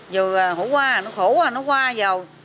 giờ hổ qua nó khổ à nó qua vào